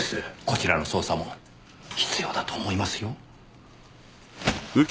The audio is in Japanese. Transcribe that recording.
こちらの捜査も必要だと思いますよ。